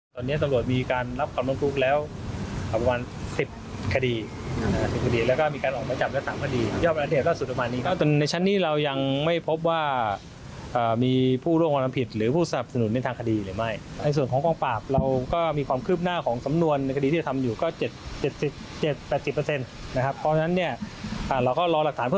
ส่วนส่วนก็สามารถที่จะสรุปสำนวนส่งพนักงานด้วยกัน